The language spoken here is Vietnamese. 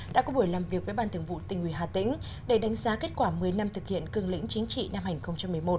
đã có buổi làm việc với ban thường vụ tình ủy hà tĩnh để đánh giá kết quả một mươi năm thực hiện cường lĩnh chính trị năm hai nghìn một mươi một